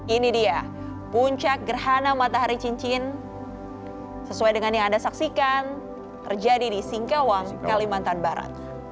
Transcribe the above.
ini dia puncak gerhana matahari cincin sesuai dengan yang anda saksikan terjadi di singkawang kalimantan barat